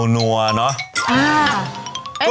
นัวเนอะ